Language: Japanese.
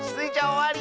おわり！